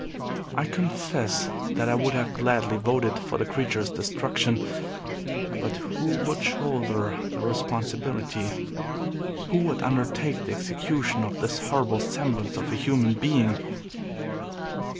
I confess that I would have gladly voted for the creature's destruction. But who would shoulder the responsibility? Who would undertake the execution of this horrible semblance of a human being?